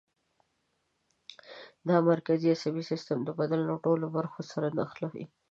دا مرکزي عصبي سیستم د بدن له ټولو برخو سره نښلوي.